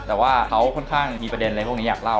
แต่ว่าเขาค่อนข้างมีประเด็นอะไรพวกนี้อยากเล่า